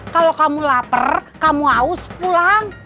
kalau kamu lapar kamu haus pulang